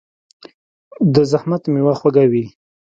د زحمت میوه خوږه وي.